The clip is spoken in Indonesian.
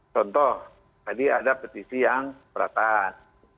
contoh tadi ada petisi yang beratas